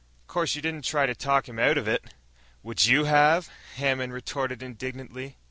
"'Course, you didn't try to talk him out of it!" "Would you have?" Hammond retorted indignantly.